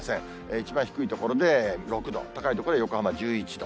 一番低い所で６度、高い所で、横浜１１度。